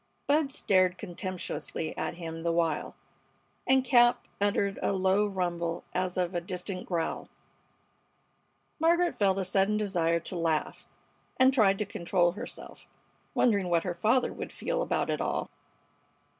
Bud stared contemptuously at him the while, and Cap uttered a low rumble as of a distant growl. Margaret felt a sudden desire to laugh, and tried to control herself, wondering what her father would feel about it all.